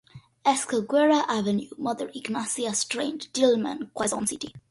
Esguerra Avenue, Mother Ignacia Saint, Diliman, Quezon City.